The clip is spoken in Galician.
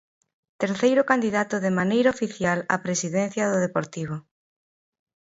Terceiro candidato de maneira oficial á presidencia do Deportivo.